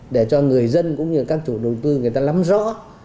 để cho người dân cũng như các chủ đầu tư người ta lắm rõ